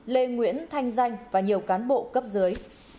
lê nguyễn thanh danh và nhiều cán bộ cấp dưới